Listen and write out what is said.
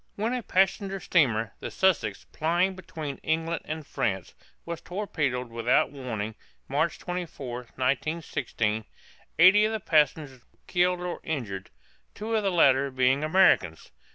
When a passenger steamer, the "Sussex," plying between England and France, was torpedoed without warning (March 24, 1916), eighty of the passengers were killed or injured, two of the latter being Americans.